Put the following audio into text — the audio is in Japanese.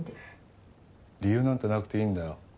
理由なんてなくていいんだよ。